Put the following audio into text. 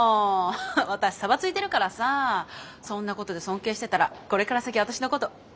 私サバついてるからさそんなことで尊敬してたらこれから先私のこと神とあがめることになるよ。